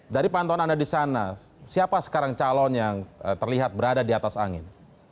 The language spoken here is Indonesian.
dari pantauan anda di sana siapa sekarang calon yang terlihat berada di atas angin